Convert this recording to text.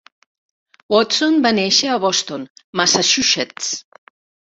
Watson va néixer a Boston, Massachusetts.